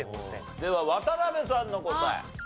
では渡辺さんの答え。